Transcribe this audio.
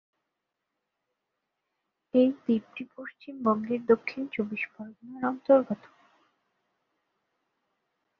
এই দ্বীপটি পশ্চিমবঙ্গের দক্ষিণ চব্বিশ পরগনার অন্তর্গত।